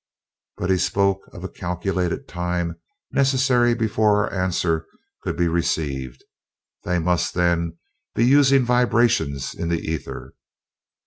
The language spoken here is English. "But he spoke of a calculated time necessary before our answer could be received. They must, then, be using vibrations in the ether."